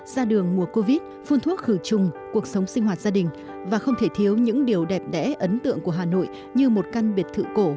ra đường mùa covid phun thuốc khử trùng cuộc sống sinh hoạt gia đình và không thể thiếu những điều đẹp đẽ ấn tượng của hà nội như một căn biệt thự cổ